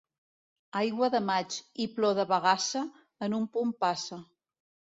Aigua de maig i plor de bagassa, en un punt passa.